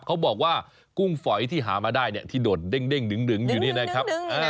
เขาบอกว่ากุ้งฝอยที่หามาได้เนี่ยที่โดดเด้งดึงอยู่นี่นะครับ